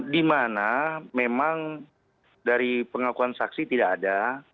di mana memang dari pengakuan saksi tidak ada